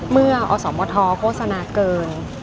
เมื่ออสมทโฆษณาเกิน